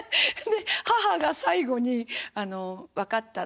で母が最後に「分かった。